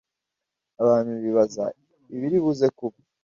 abantu bibaza ibiri buze kuba